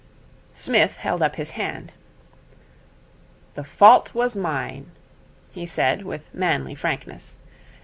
Psmith held up his hand. 'The fault was mine,' he said, with manly frankness.